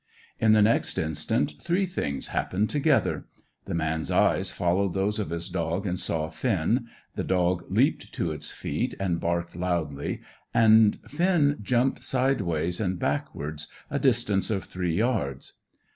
In the next instant three things happened together: the man's eyes followed those of his dog and saw Finn; the dog leaped to its feet and barked loudly; and Finn jumped sideways and backwards, a distance of three yards.